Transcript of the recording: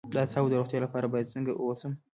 د اعصابو د روغتیا لپاره باید څنګه اوسم؟